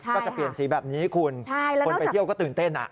ก็จะเปลี่ยนสีแบบนี้คุณคนไปเที่ยวก็ตื่นเต้น